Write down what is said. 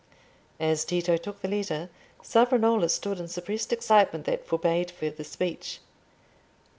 As Tito took the letter, Savonarola stood in suppressed excitement that forbade further speech.